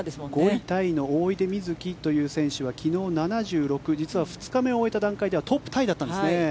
５位タイの大出瑞月という選手は昨日７６実は２日目を終えた段階ではトップタイだったんですね。